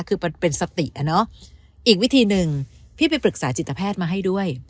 คือมันเป็นสติอ่ะเนอะอีกวิธีหนึ่งพี่ไปปรึกษาจิตแพทย์มาให้ด้วย